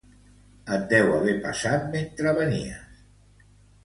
Et deu haver passat mentre venies